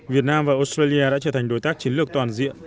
việt nam và australia đã trở thành đối tác chiến lược toàn diện